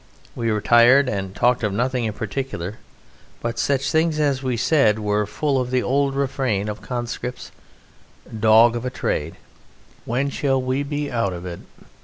We were tired, and talked of nothing in particular, but such things as we said were full of the old refrain of conscripts: "Dog of a trade," "When shall we be out of it?"